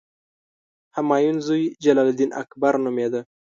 همایون زوی جلال الدین اکبر نومېده.